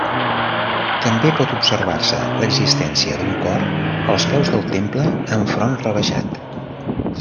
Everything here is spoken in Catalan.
També pot observar-se l'existència d'un cor als peus del temple, amb front rebaixat.